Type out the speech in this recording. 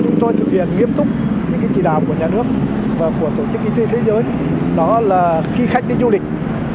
những cái chỉ đạo của nhà nước và của tổ chức y tế thế giới đó là khi khách đến du lịch